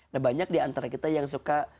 nah banyak diantara kita yang suka